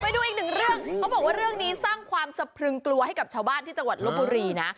ไปดูอีกหนึ่งเรื่องเขาบอกว่าเรื่องนี้สร้างความสะพรึงกลัวให้กับชาวบ้านที่จังหวัดลบบุรีนะ